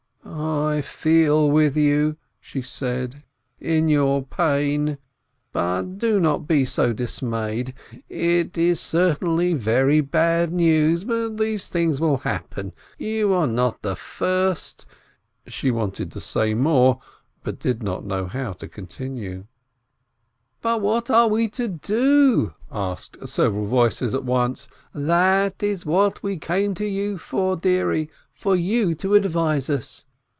"I feel with you," she said, "in your pain. But do not be so dismayed. It is certainly very bad news, but these things will happen, you are not the first " She wanted to say more, but did not know how to continue. WOMEN 473 "But what are we to do?" asked several voices at once. "That is what we came to you for, dearie, for you to advise us.